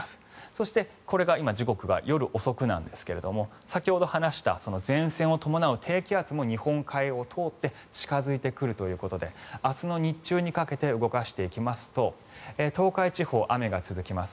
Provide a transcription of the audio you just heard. そして、これが今時刻が夜遅くなんですが先ほど話した前線を伴う低気圧も日本海を通って近付いてくるということで明日の日中にかけて動かしていきますと東海地方、雨が続きます。